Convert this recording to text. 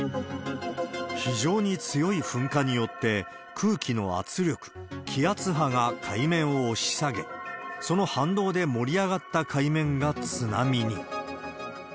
非常に強い噴火によって、空気の圧力、気圧波が海面を押し下げ、その反動で盛り上がった海面が津波に。